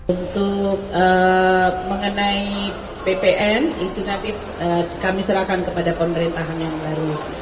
untuk mengenai ppn itu nanti kami serahkan kepada pemerintahan yang baru